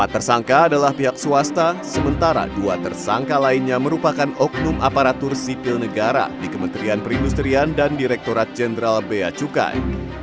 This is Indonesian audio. empat tersangka adalah pihak swasta sementara dua tersangka lainnya merupakan oknum aparatur sipil negara di kementerian perindustrian dan direkturat jenderal bea cukai